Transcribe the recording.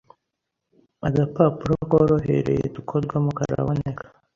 agapapuro korohereye dukorwamo karaboneka